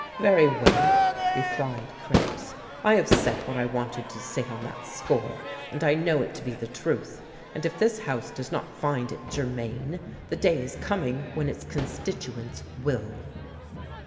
"Very well," replied Krebs. "I have said what I wanted to say on that score, and I know it to be the truth. And if this House does not find it germane, the day is coming when its constituents will."